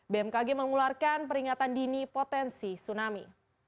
bmkg mengeluarkan peringatan dini potensi tsunami